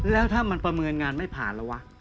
แล้วถ้ามันประเมินงานไม่ผ่านแล้ววะ